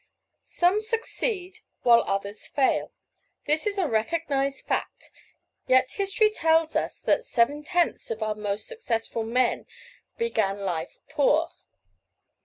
Some succeed while others fail. This is a recognized fact; yet history tells us that seven tenths of our most successful men began life poor.